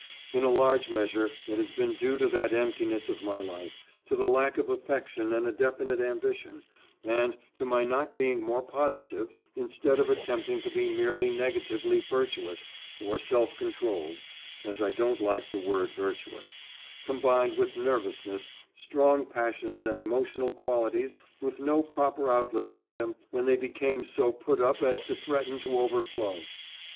In a large measure it has been due to that emptiness of my life, to the lack of affection and a definite ambition, and to my not being more positive instead of attempting to be merely negatively virtuous or self controlled (as I don't like the word virtuous), combined with nervousness, strong passions and emotional qualities with no proper outlet for them when they became so put up as to threaten to overflow.